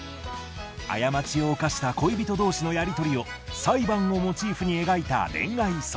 過ちを犯した恋人同士のやり取りを裁判をモチーフに描いた恋愛ソング。